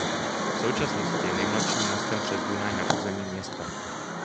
V současnosti je nejmladším mostem přes Dunaj na území města.